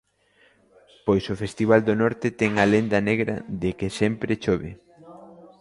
Pois o Festival do Norte ten a lenda negra de que sempre chove.